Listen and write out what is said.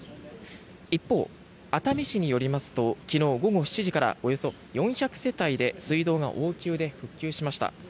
一方、熱海市によりますと昨日午後７時からおよそ４００世帯で水道が応急で復旧しました。